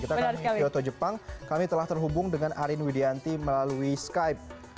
kita kan di kyoto jepang kami telah terhubung dengan arin widianti melalui skype